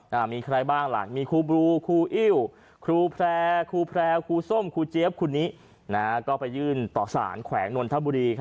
เอ่อมีใครบ้างอ่ะมีคุณปลูคุณอรูคุณแผลคุณแผลคุณส้มคุณเจี๊ยบคุณนี้